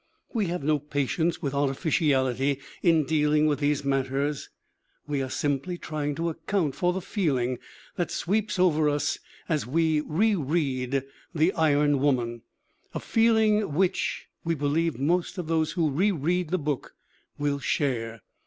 We have no patience with artificiality in dealing with these matters. We are simply trying to account for the feeling that sweeps over us as we re read The Iron Woman, a feeling which we believe most of those who re read the book will share.